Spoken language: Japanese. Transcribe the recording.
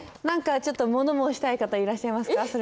何かちょっと物申したい方いらっしゃいますか？